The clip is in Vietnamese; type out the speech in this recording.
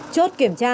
chốt kiểm tra